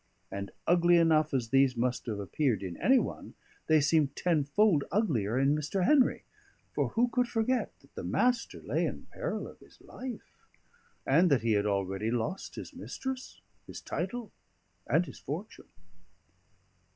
And ugly enough as these must have appeared in any one, they seemed tenfold uglier in Mr. Henry; for who could forget that the Master lay in peril of his life, and that he had already lost his mistress, his title, and his fortune?